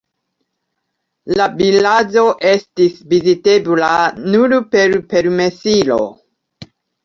La vilaĝo estis vizitebla nur per permesilo.